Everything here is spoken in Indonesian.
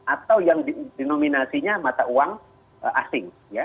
atau yang dinominasinya mata uang asing